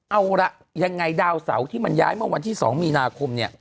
เอาล่ะยังไงดาวเสาที่มันย้ายเมื่อวันที่๒มีนาคมเนี่ย